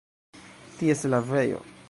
Ties lavejo.